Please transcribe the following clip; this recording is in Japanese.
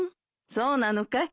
そうなのかい。